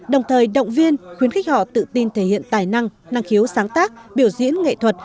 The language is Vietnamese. đồng thời động viên khuyến khích họ tự tin thể hiện tài năng năng khiếu sáng tác biểu diễn nghệ thuật